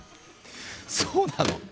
そうなの？